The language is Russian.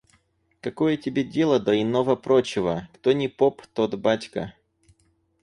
Какое тебе дело до иного-прочего? Кто ни поп, тот батька.